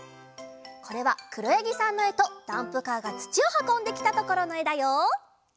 これはくろやぎさんのえとダンプカーがつちをはこんできたところのえだよ！